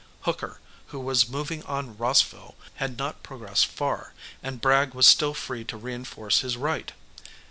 Hooker, who was moving on Rossville, had not progressed far, and Bragg was still free to reinforce his right.